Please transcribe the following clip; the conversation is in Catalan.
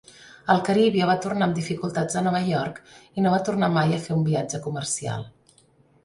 El "Caribia" va tornar amb dificultats a Nova York i no va tornar mai a fer un viatge comercial.